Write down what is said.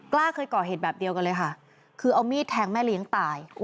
กล้าเคยก่อเหตุแบบเดียวกันเลยค่ะคือเอามีดแทงแม่เลี้ยงตาย